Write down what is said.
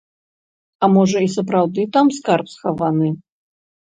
А можа, і сапраўды там скарб схаваны?